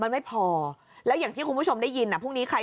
มองไม่เห็นคนที่คุยด้วยเหมือนกัน